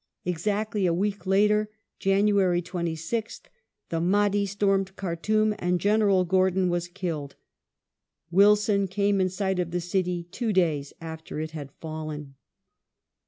Exactly a week later (Jan. 26th) the Mahdi stormed Khartoum and General Gordon was killed. Wilson came in sight of the City two days after it had fallen.